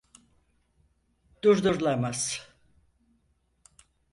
Durdurulamaz.